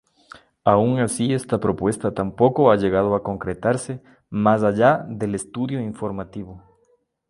Aun así esta propuesta tampoco ha llegado a concretarse más allá del estudio informativo.